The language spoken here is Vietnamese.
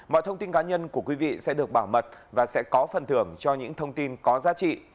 mọi thông tin cá nhân của quý vị sẽ được bảo mật và sẽ có phần thưởng cho những thông tin có giá trị